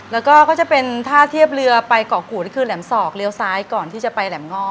แล้วก็ก็จะเป็นท่าเทียบเรือไปเกาะกูดนี่คือแหลมศอกเลี้ยวซ้ายก่อนที่จะไปแหลมง่อ